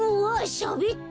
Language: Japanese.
しゃべった！